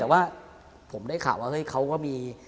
แต่ว่าผมได้ข่าวว่าเฮ้ยเขาก็มี